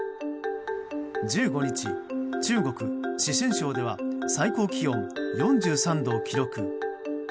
１５日、中国・四川省では最高気温４３度を記録。